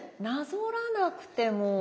なぞらなくても。